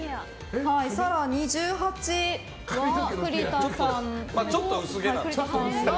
更に１８、栗田さん。